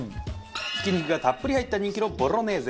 ひき肉がたっぷり入った人気のボロネーゼ。